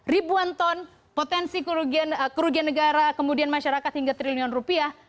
ribuan ton potensi kerugian negara kemudian masyarakat hingga triliunan rupiah